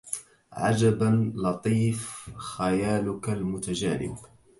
عجبا لطيف خيالك المتجانب